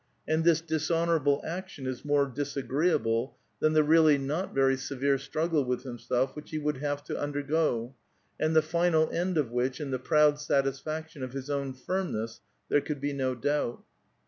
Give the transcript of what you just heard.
And this dishonor si.ble action is more disagreeable than the really not very severe struggle with himself which he would have to undergo, and the final end of which in the proud satisfaction of his own :Gminess there could be no doubt.